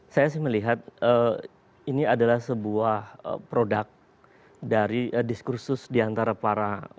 saya sih melihat ini adalah sebuah produk dari diskursus diantara para